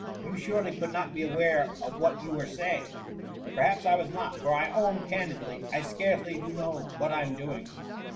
You surely could not be aware of what you were saying ?"*' Perhaps I was not : for I own candidly I .scarcely do know what I am doing